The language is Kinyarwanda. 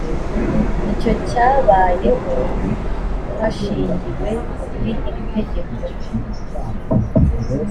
icyo cyabayeho hashingiwe kuri iri itegeko